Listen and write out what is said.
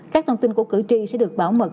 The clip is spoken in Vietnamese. các thông tin của cử tri sẽ được bảo mật